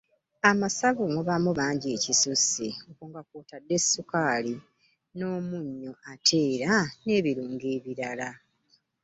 Amasavu mubaamu mangi ekisusse okwo nga kw'otadde ssukaali n’omunnyo ate era n’ebirungo ebirala.